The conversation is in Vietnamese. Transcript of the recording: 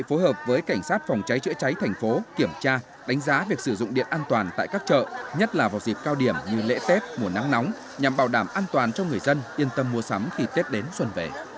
phương án phòng cháy chữa cháy chữa cháy nội bộ một lần mỗi quý